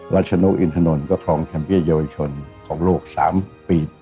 รัชนกอินทนนก็ครองแชมป์เยาวชนของโลก๓ปี